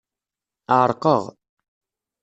Ɛerqeɣ.